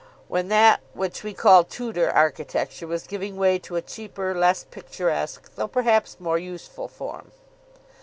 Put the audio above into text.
when that which we call Tudor architecture was giving way to a cheaper, less picturesque, though perhaps more useful form.